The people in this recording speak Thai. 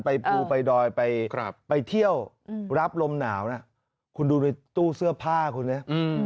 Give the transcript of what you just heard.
ภูไปดอยไปเที่ยวรับลมหนาวนะคุณดูในตู้เสื้อผ้าคุณเนี่ย